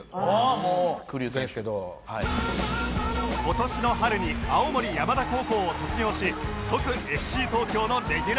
今年の春に青森山田高校を卒業し即 ＦＣ 東京のレギュラー入り